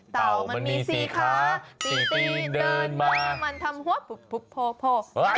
เต่ามันมีสี่ค้าสี่ตีเดินมามันทำหัวโพโพโพโพ